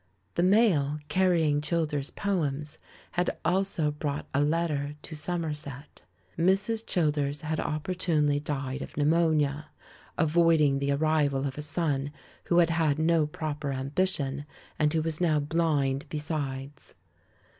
The mail carrying Childers' poems had also brought a letter to Somerset. Mrs. Childers had opportunely died of pneumonia — avoiding the arrival of a son who had had no proper ambition, and who was now blind besides.